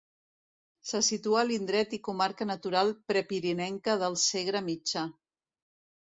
Se situa a l'indret i comarca natural prepirinenca del Segre Mitjà.